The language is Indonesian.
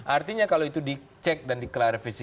artinya kalau itu dicek dan di klarifikasi